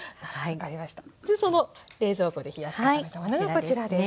その冷蔵庫で冷やし固めたものがこちらです。